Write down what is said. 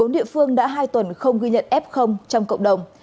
một mươi bốn địa phương đã hai tuần không ghi nhận f trong cộng đồng